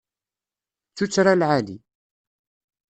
D tuttra lɛali.